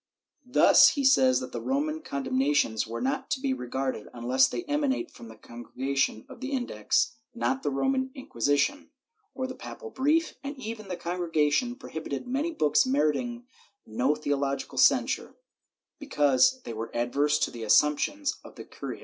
Thus he says that the Roman condemnations were not to be regarded unless they emanate from the Congregation of the Index (not the Roman Inquisition) or a papal brief, and even the Congregation prohibited many books meriting no theological censure, because they were adverse to the assumptions of the curia.